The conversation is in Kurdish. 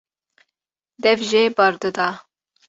dev jê berdida.